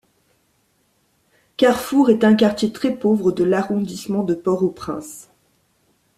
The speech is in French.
Carrefour est un quartier très pauvre de l'arrondissement de Port-au-Prince.